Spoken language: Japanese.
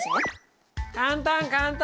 簡単簡単！